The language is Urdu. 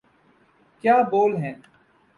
کیا بول ہیں۔